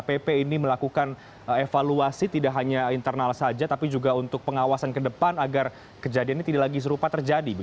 pp ini melakukan evaluasi tidak hanya internal saja tapi juga untuk pengawasan ke depan agar kejadian ini tidak lagi serupa terjadi